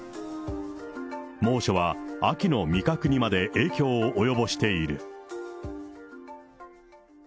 猛暑は秋の味覚にまで影響を及ぼしている。